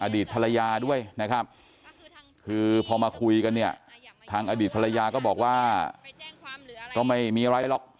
อดีตภรรยาด้วยนะครับคือพอมาคุยกันเนี่ยทางอดีตภรรยาก็บอกว่าก็ไม่มีอะไรหรอก